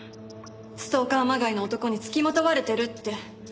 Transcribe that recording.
ストーカーまがいの男につきまとわれてるって。